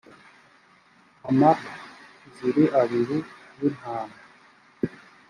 amap zi abiri y intama